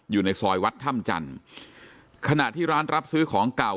อยู่ในซอยวัดถ้ำจันทร์ขณะที่ร้านรับซื้อของเก่า